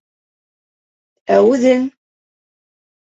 Ә үҙең?